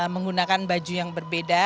menggunakan baju yang berbeda